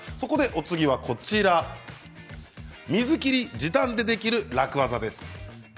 お次は水切り時短でできる楽ワザです。